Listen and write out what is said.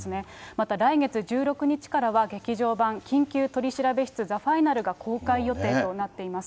また来月１６日からは、劇場版緊急取調室ザ・ファイナルが公開予定となっています。